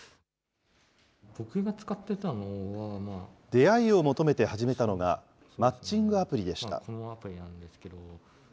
出会いを求めて始めたのが、マッチングアプリでした。